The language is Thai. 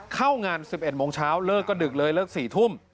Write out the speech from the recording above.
เข้างาน๑๑โมงเช้าเลิกก็ดึกเลยเลิก๔ทุ่ม